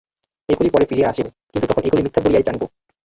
এগুলি পরে ফিরিয়া আসিবে, কিন্তু তখন এগুলি মিথ্যা বলিয়াই জানিব।